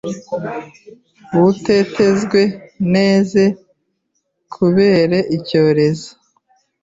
butetenzwe neze kubere icyorezo